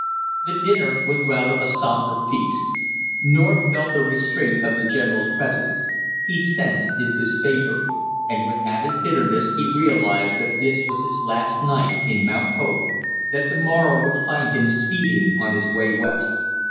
The dinner was rather a somber feast. North felt the restraint of the general's presence; he sensed his disfavor; and with added bitterness he realized that this was his last night in Mount Hope, that the morrow would find him speeding on his way West.